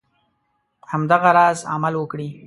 همدغه راز عمل وکړي.